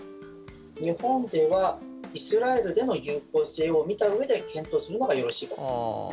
日本ではイスラエルでの有効性を見たうえで検討するのがよろしいかと思います。